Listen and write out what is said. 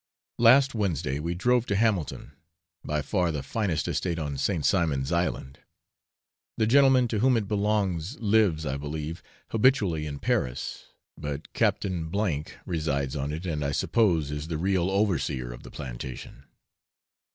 Last Wednesday we drove to Hamilton by far the finest estate on St. Simon's Island. The gentleman to whom it belongs lives, I believe, habitually in Paris; but Captain F resides on it, and, I suppose, is the real overseer of the plantation.